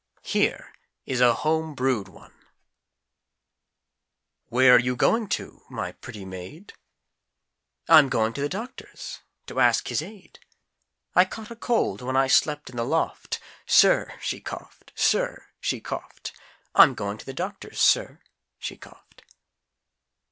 Here is a home brewed one: "Where are you going to, my pretty maid?" "I'm going to the Doctor's, to ask his aid, I caught a cold when I slept in the loft," "Sir," she coughed, "Sir," she coughed, "I'm going to the Doctor's sir," she coughed.